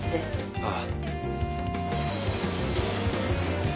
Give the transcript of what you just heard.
ああ。